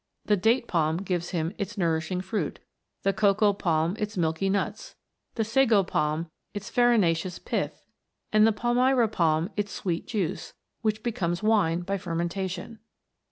The date palm gives him its nourishing fruit, the cocoa palm its milky nuts, the sago palm its farinaceous pith, and the Palmyra palm its sweet juice, which becomes wine by fermentation.